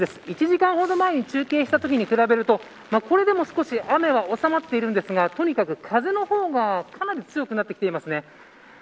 １時間ほど前に中継したときに比べるとこれでも少し雨は収まっているんですがとにかく、風の方がかなり強くなってきています。